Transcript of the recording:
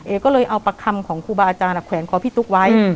ก็เลยเอาประคำของครูบาอาจารย์แขวนคอพี่ตุ๊กไว้